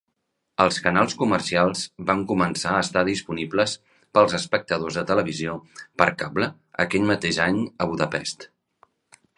Els canals comercials van començar a estar disponibles pels espectadors de televisió per cable aquell mateix any a Budapest.